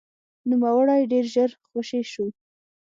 نوموړی ډېر ژر خوشې شو.